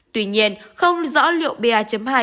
tuy nhiên không rõ liệu pa hai